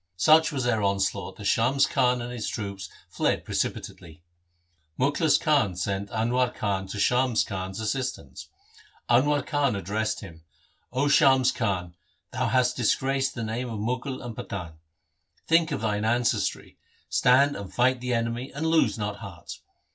Such was their onslaught that Shams Khan and his troops fled precipitately. Mukhlis Khan sent Anwar Khan to Shams Khan's assistance. Anwar Khan addressed him, ' 0 Shams Khan, thou hast disgraced the names of Mughal and Pathan. Think of thine ancestry, stand and fight the enemy, and lose not heart.